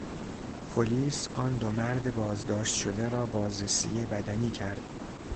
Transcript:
پلیس آن دو مرد بازداشت شده را بازرسی بدنی کرد.